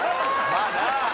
まあな。